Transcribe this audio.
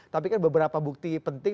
tapi kan beberapa bukti penting